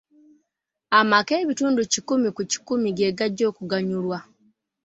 Amaka ebitundu kikumi ku kikumi ge gajja okuganyulwa.